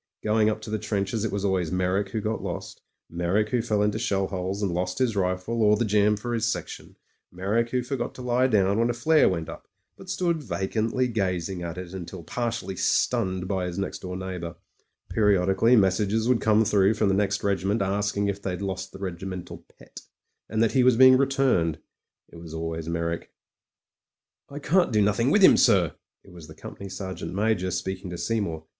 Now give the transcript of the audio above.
Going up to the trenches it was always Meyrick who got lost; Meyrick who fell into shell holes and lost his rifle or the jam for his section ; Meyrick who forgot to lie down when a flare went up, but stood vacantly gazing at it until partially stunned by his next door neighbour. Periodically messages would PRIVATE MEYRICK— COMPANY IDIOT 65 come through from the next regiment asking if they'd lost the regimental pet, and that he was being returned. It was always Meyrick, ... "I can't do nothing with 'im, sir/* It was the Com pany Sergeant Major speaking to Seymour.